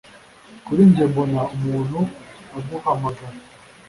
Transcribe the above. Kuri njye mbona umuntu aguhamagara